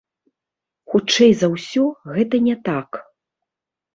Хутчэй за ўсё, гэта не так.